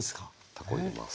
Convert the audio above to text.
たこ入れます。